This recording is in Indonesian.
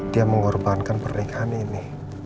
dia mengorbankan pernikahan ini